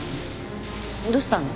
どうしたの？